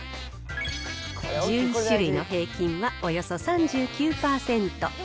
１１種類の平均はおよそ３９％。